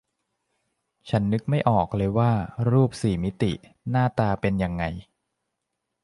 ฉันนึกไม่ออกเลยว่ารูปสี่มิติหน้าตาเป็นยังไง